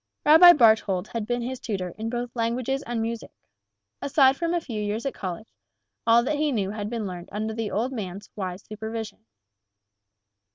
Rabbi Barthold had been his tutor in both languages and music. Aside from a few years at college, all that he knew had been learned under the old man's wise supervision.